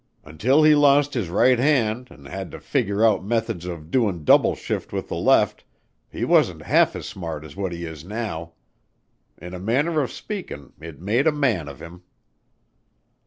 Until he lost his right hand an' had to figure out methods of doin' double shift with the left, he wasn't half as smart as what he is now. In a manner of speakin' it made a man of him."